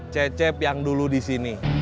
cecep yang dulu disini